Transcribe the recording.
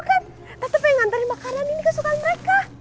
iya kan tau kan tante pengen ngantarin makanan ini ke sekolah mereka